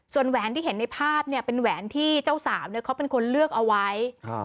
ส่วนแหวนที่เห็นในภาพเนี่ยเป็นแหวนที่เจ้าสาวเนี่ยเขาเป็นคนเลือกเอาไว้ครับ